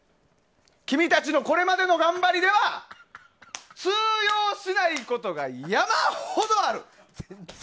君たちのこれまでの頑張りでは通用しないことが山ほどある。